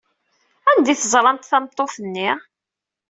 Anda ay teẓramt tameṭṭut-nni?